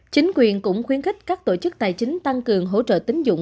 chính quyền cũng khuyến khích các tổ chức tài chính tăng cường hỗ trợ tính dụng